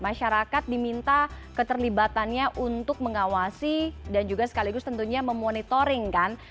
masyarakat diminta keterlibatannya untuk mengawasi dan juga sekaligus tentunya memonitoring kan